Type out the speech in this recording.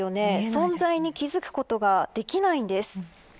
存在に気付くことができないんです。